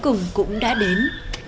cũng cũng đã đến